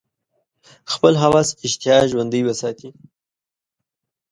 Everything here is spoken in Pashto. خپل هوس اشتها ژوندۍ وساتي.